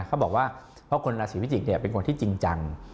เขาบอกว่าเพราะคนราศีพิจิกษ์เป็นคนที่จริงจัง